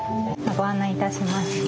ご案内いたしますね。